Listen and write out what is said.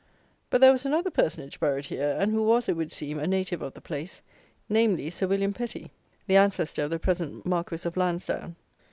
But there was another personage buried here, and who was, it would seem, a native of the place; namely, Sir William Petty, the ancestor of the present Marquis of Lansdown.